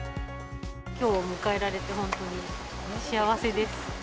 きょうを迎えられて本当に幸せです。